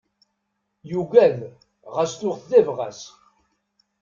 Yugad ɣas tuɣ-t d abɣas.